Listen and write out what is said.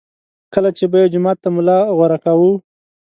کله چې به یې جومات ته ملا غوره کاوه.